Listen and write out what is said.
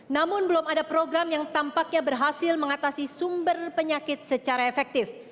namun belum ada program yang tampaknya berhasil mengatasi sumber penyakit secara efektif